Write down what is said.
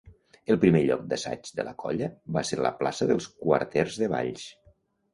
El primer lloc d'assaig de la colla va ser la plaça dels Quarters de Valls.